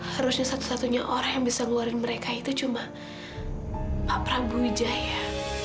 harusnya satu satunya orang yang bisa ngeluarin mereka itu cuma pak prabu wijaya